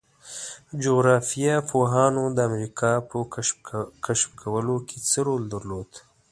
جغرافیه پوهانو د امریکا په کشف کولو کې څه رول درلود؟